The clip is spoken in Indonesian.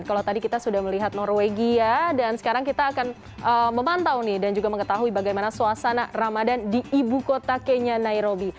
kalau tadi kita sudah melihat norwegia dan sekarang kita akan memantau nih dan juga mengetahui bagaimana suasana ramadan di ibu kota kenya nairobi